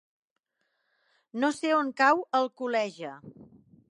No sé on cau Alcoleja.